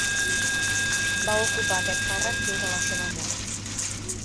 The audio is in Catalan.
Va ocupar aquest càrrec fins a la seva mort.